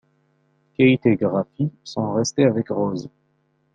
Kate et Graphie sont restés avec Rose.